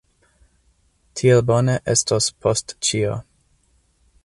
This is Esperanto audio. Tiel bone estos post ĉio.